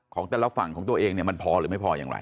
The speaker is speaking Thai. ของแต่ละฝั่งของตัวเองเนี่ยมันพอหรือไม่พออย่างไร